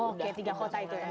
oh kayak tiga kota itu